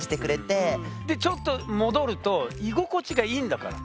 でちょっと戻ると居心地がいいんだから。